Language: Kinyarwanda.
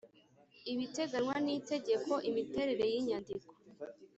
ibiteganywa n Itegeko Imiterere y inyandiko